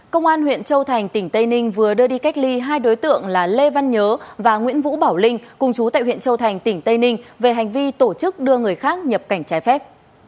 công an huyện châu thành tỉnh tây ninh vừa đưa đi cách ly hai đối tượng là lê văn nhớ và nguyễn vũ bảo linh cùng chú tại huyện châu thành tỉnh tây ninh về hành vi tổ chức đưa người khác nhập cảnh trái phép